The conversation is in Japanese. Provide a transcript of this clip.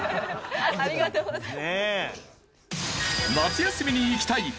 ありがとうございます。